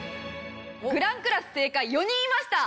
グランクラス正解４人いました。